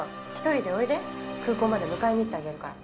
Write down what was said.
空港まで迎えに行ってあげるから。